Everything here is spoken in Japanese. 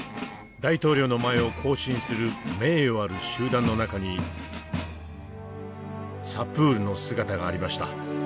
大統領の前を行進する名誉ある集団の中にサプールの姿がありました。